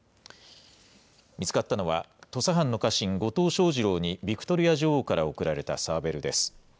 見つかったのは、土佐藩の家臣、後藤象二郎にビクトリア女王から贈られたサーベルです。